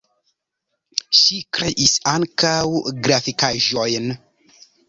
Ŝi kreis ankaŭ grafikaĵojn.